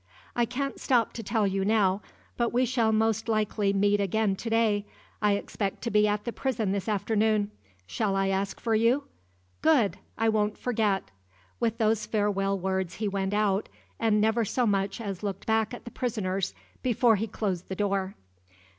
"I can't stop to tell you now; but we shall most likely meet again to day. I expect to be at the prison this afternoon. Shall I ask for you? Good! I won't forget!" With those farewell words he went out, and never so much as looked back at the prisoners before he closed the door.